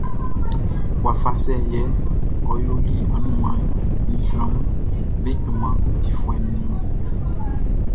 Wafa sɛ yɛ ɔ yoli annunman ni sranʼm be junman difuɛ mun?